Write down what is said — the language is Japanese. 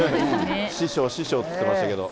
師匠、師匠って言ってましたけど。